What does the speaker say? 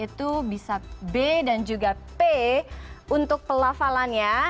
itu bisa b dan juga p untuk pelafalannya